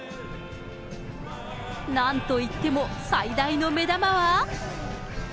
なんといっても、最大の目玉は。